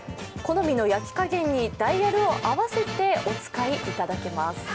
好みの焼き加減にダイヤルを合わせてお使いいただけます。